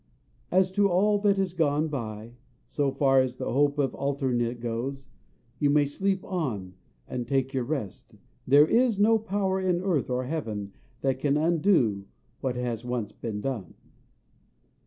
As to all that is gone by, so far as the hope of altering it goes, you may sleep on and take your rest: there is no power in earth or heaven that can undo what has once been done.